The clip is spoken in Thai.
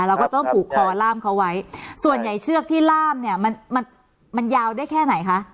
เราก็ต้องผูกคอล่ามเขาไว้ส่วนใหญ่เชือกที่ล่ามเนี่ยมันมันยาวได้แค่ไหนคะ